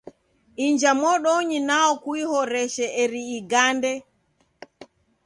Inja modonyi nwao kuihoreshe eri igande.